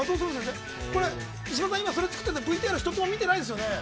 石破さん、それを作っていてＶＴＲ１つも見てないですよね。